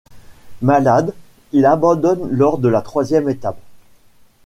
Malade, il abandonne lors de la troisième étape.